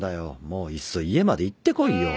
もういっそ家まで行ってこいよ。